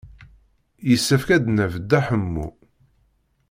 Yessefk ad d-naf Dda Ḥemmu.